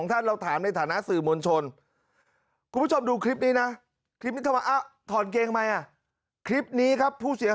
เธอถ่ายเอาไว้ในขณะ๑๑อี้